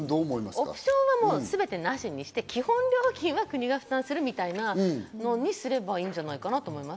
オプションはすべてなし、基本料金は国がすべて負担するみたいにすればいいんじゃないかと思います。